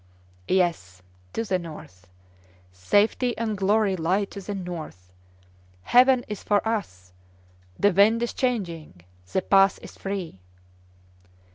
"Yes, to the north! Safety and glory lie to the north. Heaven is for us! The wind is changing; the pass is free!"